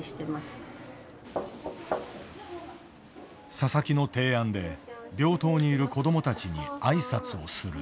佐々木の提案で病棟にいる子どもたちに挨拶をする。